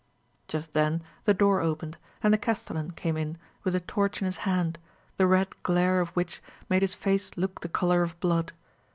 Just then the door opened, and the castellan came in with a torch in his hand, the red glare of which made his face look the colour of blood.